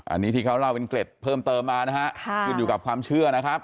อันนี้ที่เขาเล่าเป็นเกร็ดเพิ่มเติมมานะฮะขึ้นอยู่กับความเชื่อนะครับ